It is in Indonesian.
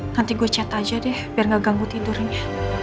nanti gue chat aja deh biar nggak ganggu tidurnya